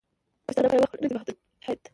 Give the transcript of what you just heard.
پښتانه په یوه خوله نه دي متحد.